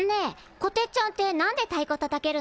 こてっちゃんって何でたいこたたけるの？